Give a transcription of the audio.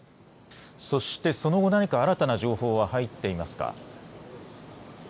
そしてその後、何か新たな情報は入っていますか。